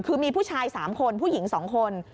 คือมีผู้ชาย๓คนผู้หญิง๒คน